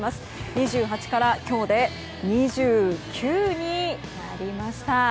２８から今日で２９になりました。